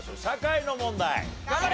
社会の問題。